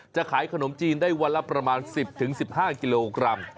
จะขายขนมจีนได้วันละประมาณ๑๐๑๕กิโลกรัม